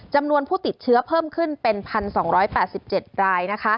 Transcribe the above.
จำนวนผู้ติดเชื้อเพิ่มขึ้นเป็น๑๒๘๗ราย